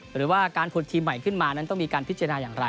หรือว่าการขุดทีมใหม่ขึ้นมานั้นต้องมีการพิจารณาอย่างไร